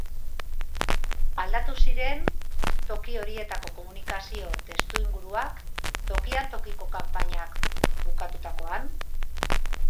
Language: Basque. Aldatu ziren toki horietako komunikazio testuinguruak, tokian tokiko kanpainak bukatutakoan?